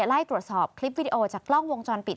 ไล่ตรวจสอบคลิปวิดีโอจากกล้องวงจรปิด